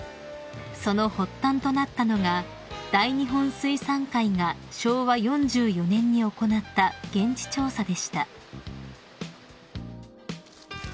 ［その発端となったのが大日本水産会が昭和４４年に行った現地調査でした］